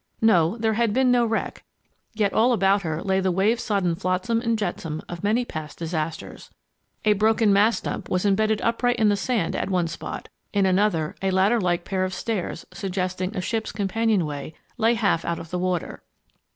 No, there had been no wreck, yet all about her lay the wave sodden flotsam and jetsam of many past disasters. A broken mast stump was imbedded upright in the sand at one spot. In another, a ladder like pair of stairs, suggesting a ship's companionway, lay half out of the water.